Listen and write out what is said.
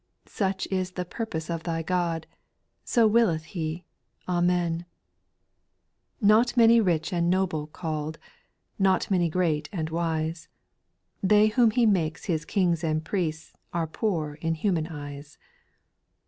Such is the purpose of Thy God ; So willeth lie ; Amen 1 8. Not many rich and noble called, Not many great and wise ; They whom He makes His kings and priests, Are poor in human eyes.